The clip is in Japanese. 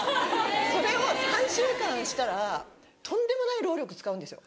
それを３週間したらとんでもない労力使うんですよ。